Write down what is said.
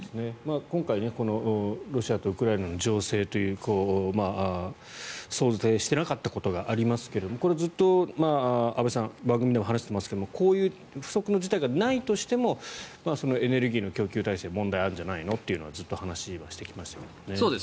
今回ロシアとウクライナの情勢という想定していなかったことがありますけどこれ、安部さん番組でも話してますがこういう不測の事態がないとしてもエネルギーの供給体制に問題があるんじゃないのというのはずっと話はしてきましたけどね。